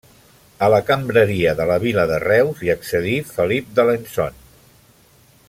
A la cambreria de la vila de Reus hi accedí Felip d'Alençon.